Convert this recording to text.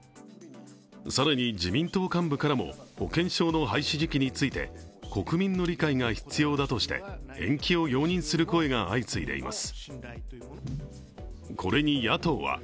更に、自民党幹部からも保険証の廃止時期について国民の理解が必要だとして延期を容認する声が相次いでいます。